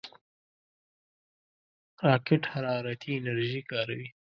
راکټ حرارتي انرژي کاروي